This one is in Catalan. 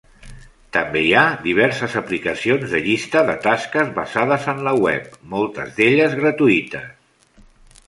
També hi ha diverses aplicacions de llista de tasques basades en la web, moltes d'elles gratuïtes.